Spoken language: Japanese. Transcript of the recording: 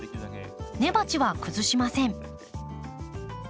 根鉢は崩しません。